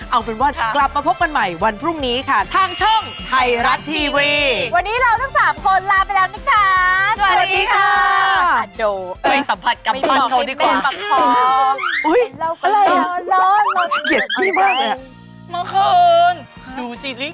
เอาเป็นว่ากลับมาพบกันใหม่วันพรุ่งนี้ทางช่องไทรัตย์ทีวี